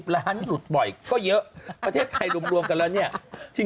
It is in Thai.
ล้านหยุดบ่อยก็เยอะประเทศไทยรวมกันแล้วเนี่ย